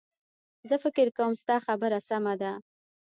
زه فکر کوم ستا خبره سمه ده